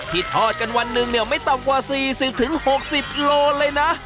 ที่ทอดกันวันนึงเนี่ยไม่ต่ำกว่า๔๐๖๐กิโลเลยนะ